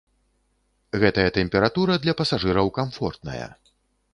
Гэтая тэмпература для пасажыраў камфортная.